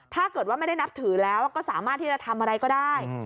ถ้าเกิดว่าไม่ได้นับถือแล้วก็สามารถที่จะทำอะไรก็ได้